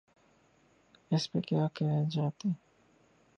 اس پہ کیا کہا جائے؟